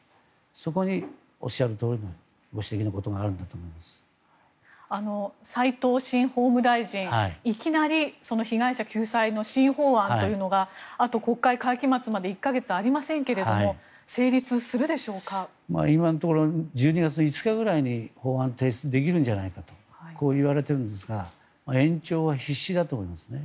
そこにおっしゃるとおりのご指摘のことがあるんだと斎藤新法務大臣いきなり被害者救済の新法案というのがあと国会会期末まで１か月ありませんが今のところ１２月５日ぐらいに法案提出できるんじゃないかとこういわれているんですが延長は必至だと思いますね。